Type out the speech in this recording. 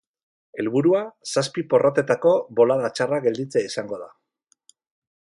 Helburua zazpi porrotetako bolada txarra gelditzea izango da.